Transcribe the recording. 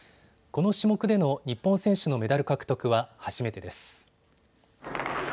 この種目での日本選手のメダル獲得は初めてです。